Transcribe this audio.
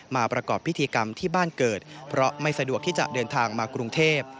มาประกอบพิธีกรรมที่บ้านเกิดเพราะไม่สะดวกที่จะเดินทางมากรุงเทพ